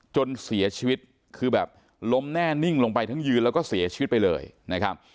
จนเสียชีวิตคือแบบล้มแน่นิ่งลงไปทั้งยืนแล้วก็เสียชีวิตไปเลยนะครับ